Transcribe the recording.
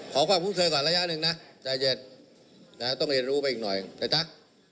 ขอความคุ้นเคยก่อนระยะหนึ่งนะใจเย็นต้องเรียนรู้ไปอีกหน่อยนะจ๊ะ